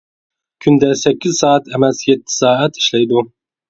كۈندە سەككىز سائەت ئەمەس يەتتە سائەت ئىشلەيدۇ.